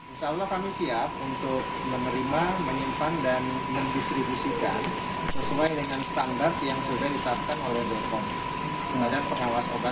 insya allah kami siap untuk menerima menyimpan dan mendistribusikan sesuai dengan standar yang sudah ditetapkan oleh bpom pengadar pengawas obat dan obat